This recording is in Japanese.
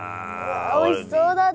おいしそうだった！